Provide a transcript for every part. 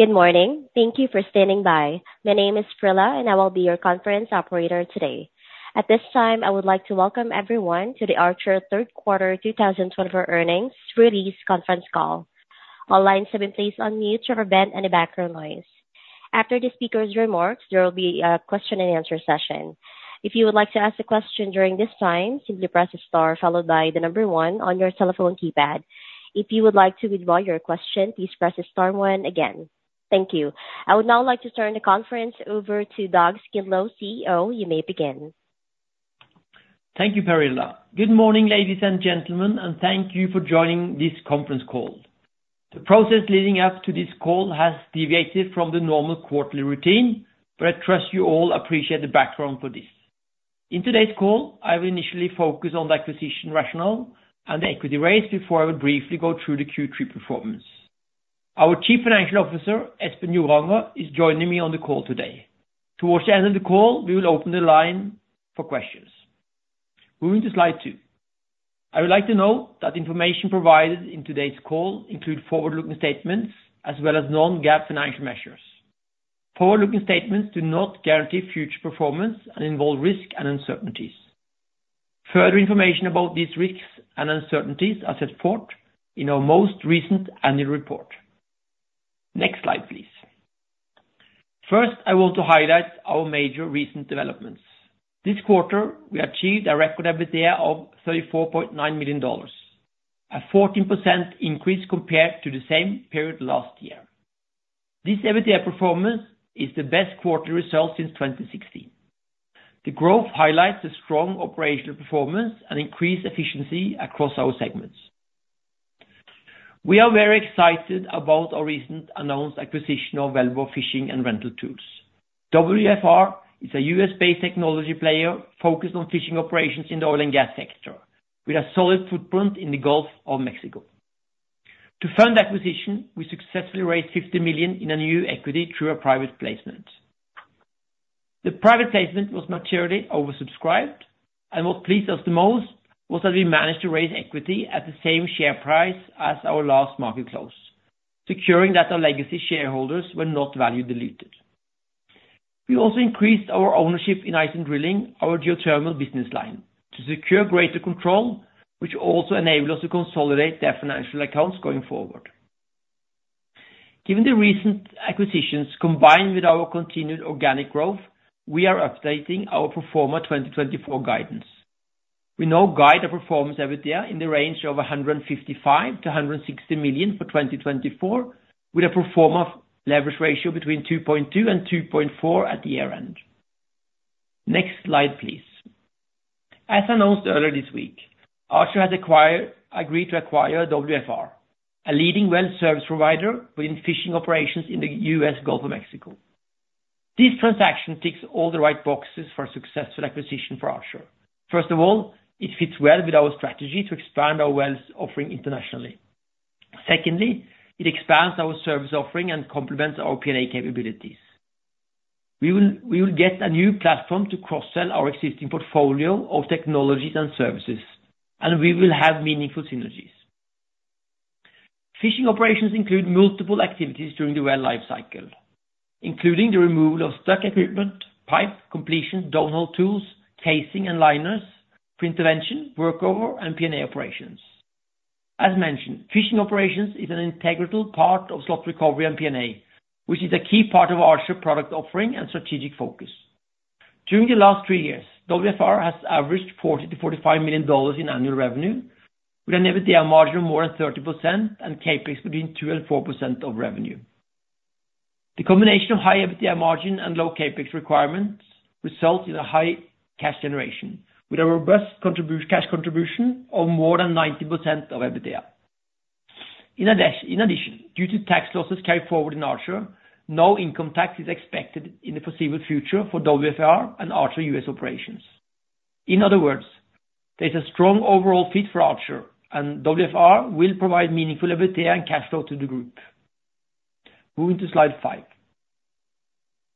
Good morning. Thank you for standing by. My name is Prilla, and I will be your conference operator today. At this time, I would like to welcome everyone to the Archer Third Quarter 2024 earnings release conference call. All lines have been placed on mute to prevent any background noise. After the speaker's remarks, there will be a question-and-answer session. If you would like to ask a question during this time, simply press a star followed by the number one on your telephone keypad. If you would like to withdraw your question, please press a star one again. Thank you. I would now like to turn the conference over to Dag Skindlo, CEO. You may begin. Thank you, Prillla. Good morning, ladies and gentlemen, and thank you for joining this conference call. The process leading up to this call has deviated from the normal quarterly routine, but I trust you all appreciate the background for this. In today's call, I will initially focus on the acquisition rationale and the equity raise before I will briefly go through the Q3 performance. Our Chief Financial Officer, Espen Joranger, is joining me on the call today. Towards the end of the call, we will open the line for questions. Moving to slide two, I would like to note that information provided in today's call includes forward-looking statements as well as non-GAAP financial measures. Forward-looking statements do not guarantee future performance and involve risks and uncertainties. Further information about these risks and uncertainties is set forth in our most recent annual report. Next slide, please. First, I want to highlight our major recent developments. This quarter, we achieved a record EBITDA of $34.9 million, a 14% increase compared to the same period last year. This EBITDA performance is the best quarterly result since 2016. The growth highlights the strong operational performance and increased efficiency across our segments. We are very excited about our recent announced acquisition of Wellbore Fishing & Rental Tools. WFR is a US-based technology player focused on fishing operations in the oil and gas sector, with a solid footprint in the Gulf of Mexico. To fund the acquisition, we successfully raised $50 million in a new equity through a private placement. The private placement was materially oversubscribed, and what pleased us the most was that we managed to raise equity at the same share price as our last market close, securing that our legacy shareholders were not value-diluted We also increased our ownership in Iceland Drilling, our geothermal business line, to secure greater control, which also enabled us to consolidate their financial accounts going forward. Given the recent acquisitions combined with our continued organic growth, we are updating our pro forma 2024 guidance. We now guide our pro forma EBITDA in the range of $155-$160 million for 2024, with a pro forma leverage ratio between 2.2 and 2.4 at the year-end. Next slide, please. As announced earlier this week, Archer has agreed to acquire WFR, a leading well service provider within fishing operations in the U.S. Gulf of Mexico. This transaction ticks all the right boxes for a successful acquisition for Archer. First of all, it fits well with our strategy to expand our wells offering internationally. Secondly, it expands our service offering and complements our P&A capabilities. We will get a new platform to cross-sell our existing portfolio of technologies and services, and we will have meaningful synergies. Fishing operations include multiple activities during the well life cycle, including the removal of stuck equipment, pipe, completions, downhole tools, casing, and liners for intervention, workover, and P&A operations. As mentioned, fishing operations is an integral part of slot recovery and P&A, which is a key part of Archer's product offering and strategic focus. During the last three years, WFR has averaged $40-$45 million in annual revenue, with an EBITDA margin of more than 30% and CapEx between 2%-4% of revenue. The combination of high EBITDA margin and low CapEx requirements results in a high cash generation, with a robust cash contribution of more than 90% of EBITDA. In addition, due to tax losses carried forward in Archer, no income tax is expected in the foreseeable future for WFR and Archer U.S. operations. In other words, there is a strong overall fit for Archer, and WFR will provide meaningful EBITDA and cash flow to the group. Moving to slide five.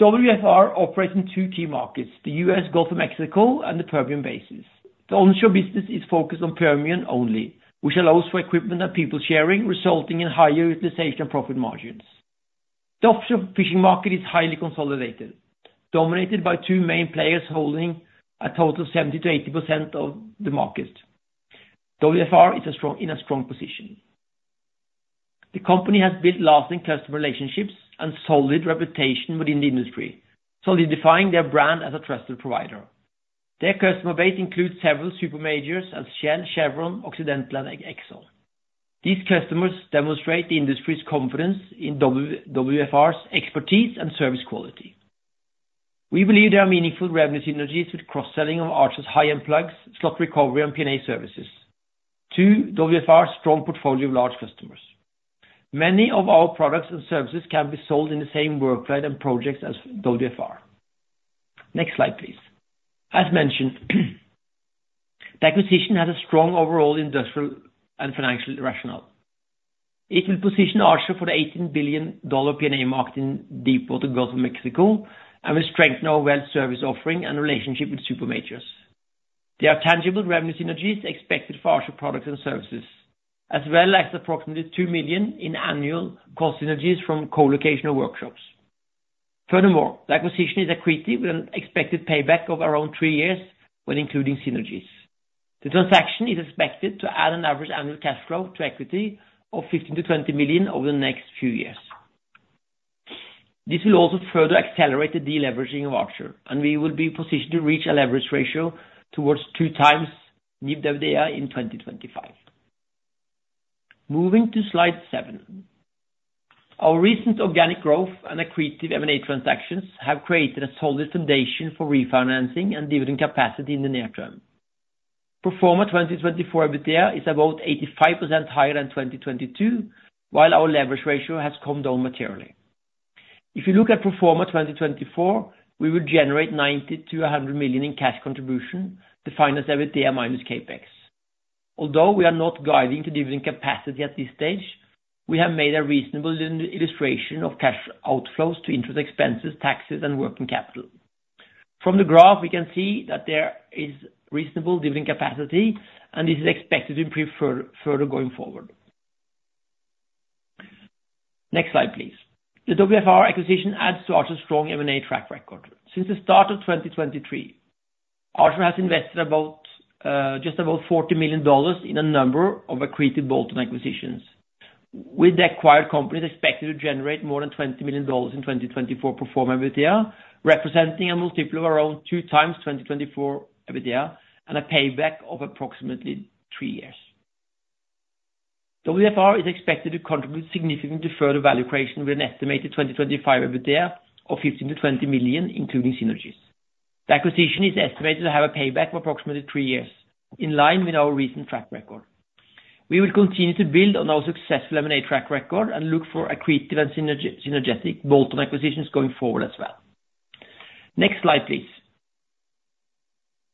WFR operates in two key markets, the U.S. Gulf of Mexico and the Permian Basin. The onshore business is focused on Permian only, which allows for equipment and people sharing, resulting in higher utilization and profit margins. The offshore fishing market is highly consolidated, dominated by two main players holding a total of 70%-80% of the market. WFR is in a strong position. The company has built lasting customer relationships and solid reputation within the industry, solidifying their brand as a trusted provider. Their customer base includes several super majors as Chevron, Occidental, and Exxon. These customers demonstrate the industry's confidence in WFR's expertise and service quality. We believe there are meaningful revenue synergies with cross-selling of Archer's high-end plugs, slot recovery, and P&A services to WFR's strong portfolio of large customers. Many of our products and services can be sold in the same workload and projects as WFR. Next slide, please. As mentioned, the acquisition has a strong overall industrial and financial rationale. It will position Archer for the $18 billion P&A market in deepwater Gulf of Mexico and will strengthen our well service offering and relationship with super majors. There are tangible revenue synergies expected for Archer products and services, as well as approximately $2 million in annual cost synergies from co-location of workshops. Furthermore, the acquisition is accretive with an expected payback of around three years when including synergies. The transaction is expected to add an average annual cash flow to equity of $15-$20 million over the next few years. This will also further accelerate the de-leveraging of Archer, and we will be positioned to reach a leverage ratio towards two times Net Debt/EBITDA in 2025. Moving to slide seven. Our recent organic growth and acquired M&A transactions have created a solid foundation for refinancing and dividend capacity in the near term. Pro forma 2024 EBITDA is about 85% higher than 2022, while our leverage ratio has come down materially. If you look at Pro forma 2024, we will generate $90-$100 million in free cash flow, EBITDA minus CapEx. Although we are not guiding to dividend capacity at this stage, we have made a reasonable illustration of cash outflows to interest expenses, taxes, and working capital. From the graph, we can see that there is reasonable dividend capacity, and this is expected to improve further going forward. Next slide, please. The WFR acquisition adds to Archer's strong M&A track record. Since the start of 2023, Archer has invested just about $40 million in a number of accretive bolt-on acquisitions, with the acquired companies expected to generate more than $20 million in 2024 pro forma EBITDA, representing a multiple of around two times 2024 EBITDA and a payback of approximately three years. WFR is expected to contribute significantly to further value creation with an estimated 2025 EBITDA of $15-$20 million, including synergies. The acquisition is estimated to have a payback of approximately three years, in line with our recent track record. We will continue to build on our successful M&A track record and look for accretive and synergistic bolt-on acquisitions going forward as well. Next slide, please.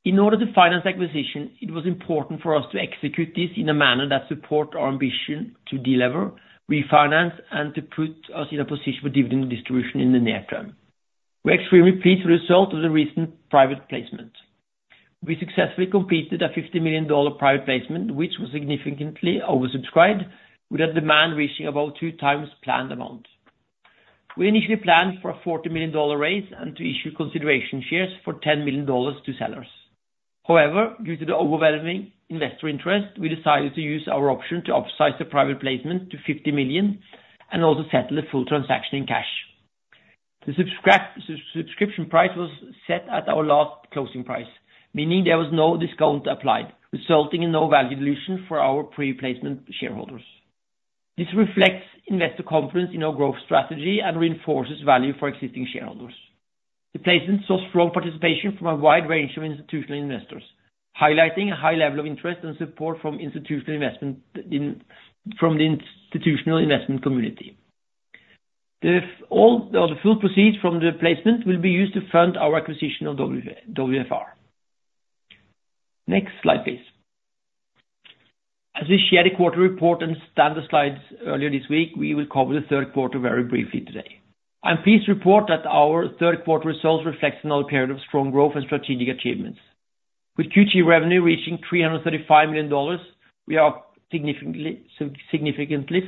In order to finance the acquisition, it was important for us to execute this in a manner that supports our ambition to deliver, refinance, and to put us in a position for dividend distribution in the near term. We're extremely pleased with the result of the recent private placement. We successfully completed a $50 million private placement, which was significantly oversubscribed, with a demand reaching about two times the planned amount. We initially planned for a $40 million raise and to issue consideration shares for $10 million to sellers. However, due to the overwhelming investor interest, we decided to use our option to upsize the private placement to $50 million and also settle the full transaction in cash. The subscription price was set at our last closing price, meaning there was no discount applied, resulting in no value dilution for our pre-placement shareholders. This reflects investor confidence in our growth strategy and reinforces value for existing shareholders. The placement saw strong participation from a wide range of institutional investors, highlighting a high level of interest and support from institutional investment community. The full proceeds from the placement will be used to fund our acquisition of WFR. Next slide, please. As we shared a quarterly report and standard slides earlier this week, we will cover the third quarter very briefly today. I'm pleased to report that our third quarter results reflect another period of strong growth and strategic achievements. With Q3 revenue reaching $335 million, we are significantly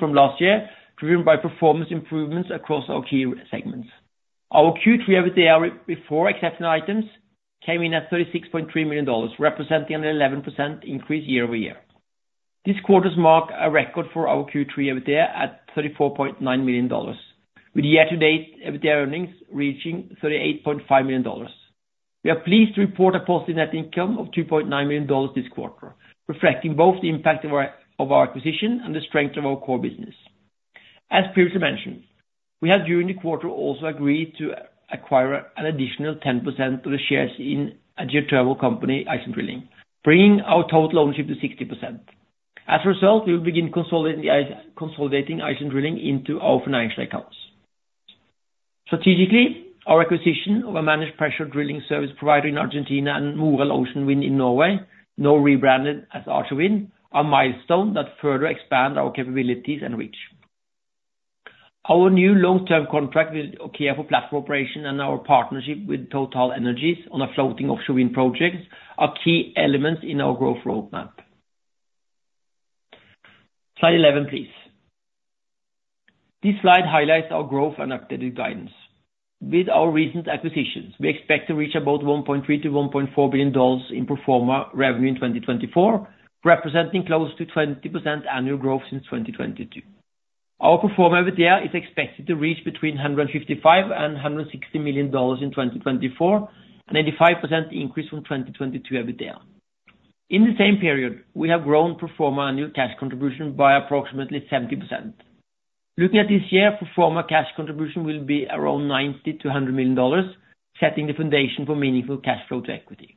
from last year, driven by performance improvements across our key segments. Our Q3 EBITDA before certain items came in at $36.3 million, representing an 11% increase year-over-year. This quarter's marked a record for our Q3 EBITDA at $34.9 million, with year-to-date EBITDA earnings reaching $38.5 million. We are pleased to report a positive net income of $2.9 million this quarter, reflecting both the impact of our acquisition and the strength of our core business. As previously mentioned, we have during the quarter also agreed to acquire an additional 10% of the shares in a geothermal company, Iceland Drilling, bringing our total ownership to 60%. As a result, we will begin consolidating Iceland Drilling into our financial accounts. Strategically, our acquisition of a managed pressure drilling service provider in Argentina and Moreld Ocean Wind in Norway, now rebranded as Archer Wind, are milestones that further expand our capabilities and reach. Our new long-term contract with OKEA for platform operation and our partnership with TotalEnergies on a floating offshore wind project are key elements in our growth roadmap. Slide 11, please. This slide highlights our growth and updated guidance. With our recent acquisitions, we expect to reach about $1.3-$1.4 billion in Pro forma revenue in 2024, representing close to 20% annual growth since 2022. Our Pro forma EBITDA is expected to reach between $155-$160 million in 2024, an 85% increase from 2022 EBITDA. In the same period, we have grown Pro forma annual cash contribution by approximately 70%. Looking at this year, Pro forma cash contribution will be around $90-$100 million, setting the foundation for meaningful cash flow to equity.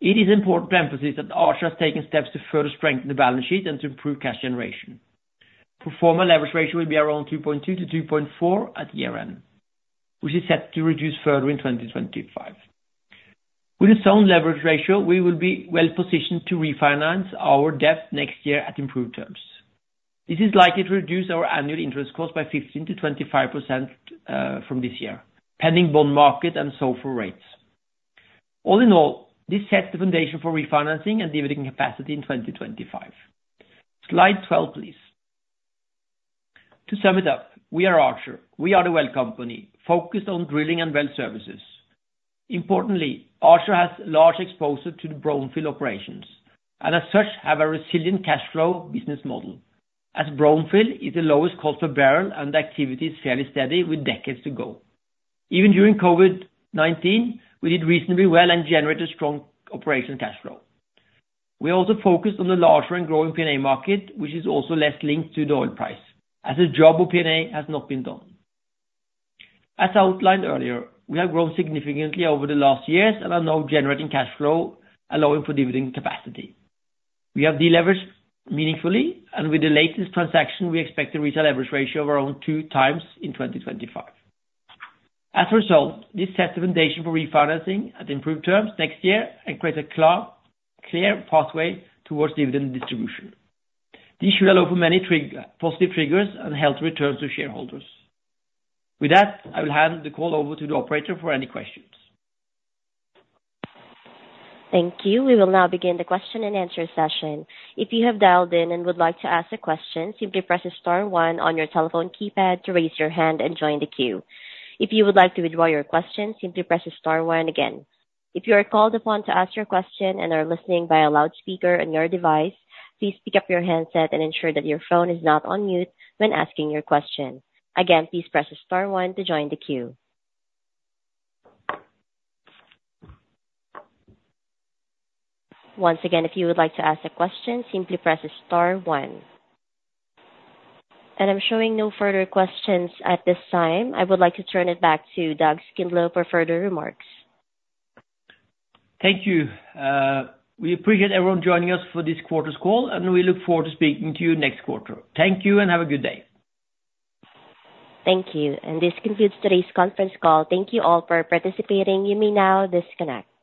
It is important to emphasize that Archer has taken steps to further strengthen the balance sheet and to improve cash generation. Pro forma leverage ratio will be around 2.2-2.4 at year-end, which is set to reduce further in 2025. With its own leverage ratio, we will be well positioned to refinance our debt next year at improved terms. This is likely to reduce our annual interest cost by 15%-25% from this year, pending bond market and swap rates. All in all, this sets the foundation for refinancing and dividend capacity in 2025. Slide 12, please. To sum it up, we are Archer. We are the well company focused on drilling and well services. Importantly, Archer has a large exposure to the brownfield operations and, as such, have a resilient cash flow business model, as brownfield is the lowest cost per barrel and the activity is fairly steady with decades to go. Even during COVID-19, we did reasonably well and generated strong operational cash flow. We are also focused on the larger and growing P&A market, which is also less linked to the oil price, as the job of P&A has not been done. As outlined earlier, we have grown significantly over the last years and are now generating cash flow allowing for dividend capacity. We have deleveraged meaningfully, and with the latest transaction, we expect to reach a leverage ratio of around two times in 2025. As a result, this sets the foundation for refinancing at improved terms next year and creates a clear pathway towards dividend distribution. This should allow for many positive triggers and healthy returns to shareholders. With that, I will hand the call over to the operator for any questions. Thank you. We will now begin the question and answer session. If you have dialed in and would like to ask a question, simply press star one on your telephone keypad to raise your hand and join the queue. If you would like to withdraw your question, simply press star one again. If you are called upon to ask your question and are listening via loudspeaker on your device, please pick up your handset and ensure that your phone is not on mute when asking your question. Again, please press star one to join the queue. Once again, if you would like to ask a question, simply press star one. And I'm showing no further questions at this time. I would like to turn it back to Dag Skindlo for further remarks. Thank you. We appreciate everyone joining us for this quarter's call, and we look forward to speaking to you next quarter. Thank you and have a good day. Thank you. And this concludes today's conference call. Thank you all for participating. You may now disconnect.